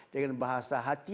dengan bahasa hati